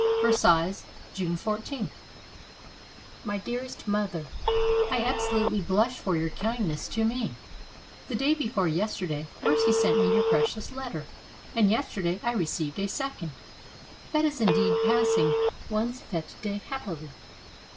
] Versailles, June 14. My dearest Mother, — I absolutely blush for your kindness to me. The day before yesterday Mercy sent me your precious letter, and yesterday I received a second. That is indeed pass ing one's fete day happily.